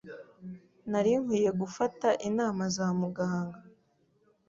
Nari nkwiye gufata inama za muganga.